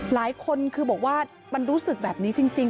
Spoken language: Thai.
หลายคนคือบอกว่ามันรู้สึกแบบนี้จริง